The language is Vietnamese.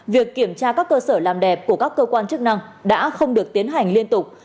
việc kiểm tra các cơ sở làm đẹp của các cơ quan chức năng đã không được tiến hành liên tục